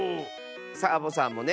サボさんもね！